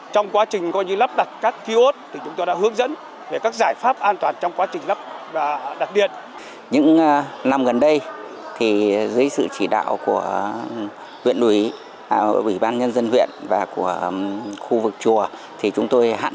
trong quá trình lắp đặt các ký ốt chúng tôi đã hướng dẫn về các giải pháp an toàn